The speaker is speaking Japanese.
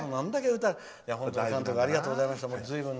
監督、ありがとうございました。